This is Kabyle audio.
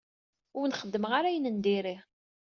Ur wen-xeddmeɣ ara ayen n diri.